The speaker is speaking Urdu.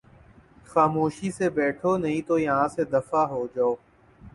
خاموشی سے بیٹھو نہیں تو یہاں سے دفعہ ہو جاؤ